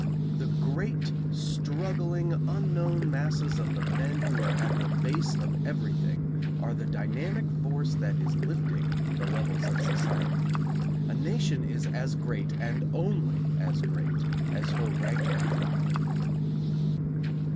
The great struggling unknown masses of the men who are at the base of everything are the dynamic force that is lifting the levels of society. A nation is as great, and only as great, as her rank and file.